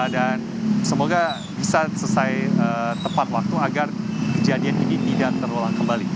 dan semoga bisa selesai tepat waktu agar kejadian ini tidak terulang kembali